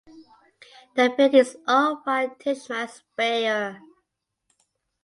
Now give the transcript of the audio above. The building is owned by Tishman Speyer.